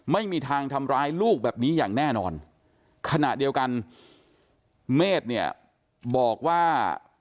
ไม่มีทางทำร้ายลูกแบบนี้อย่างแน่นอนขณะเดียวกันเมฆเนี่ยบอกว่า